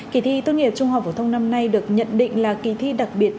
kỳ thi tốt nghiệp trung hợp của thông năm nay được nhận định là kỳ thi đặc biệt